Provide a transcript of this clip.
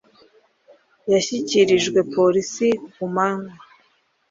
yashyikirijwe polisi ku manwa